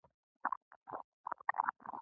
د خالد پښتون قهقهاوو دفتر په سر اخیستی و.